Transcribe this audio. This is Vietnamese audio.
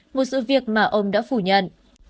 một sự việc mà ông đã phủ nhận